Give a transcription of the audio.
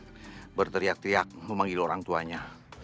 dia berteriak teriak memanggil orang tuanya